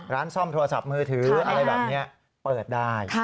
ร้านซ่อมโทรศัพท์มือถืออะไรแบบนี้เปิดได้